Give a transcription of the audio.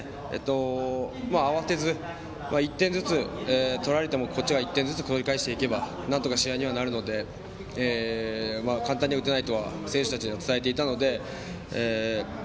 慌てず１点ずつ取られてもこっちが１点ずつ取り返していけばなんとか試合にはなるので簡単に打てないとは選手たちには伝えていたので。